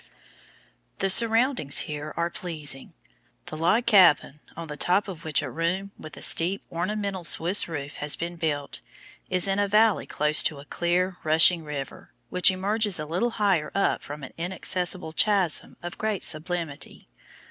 The surroundings here are pleasing. The log cabin, on the top of which a room with a steep, ornamental Swiss roof has been built, is in a valley close to a clear, rushing river, which emerges a little higher up from an inaccessible chasm of great sublimity.